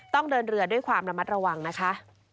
ต้องเดินเรือด้วยความระมัดระวังนะคะ